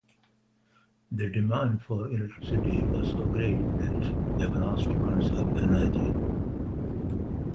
The demand for electricity was so great that they were asked to conserve energy.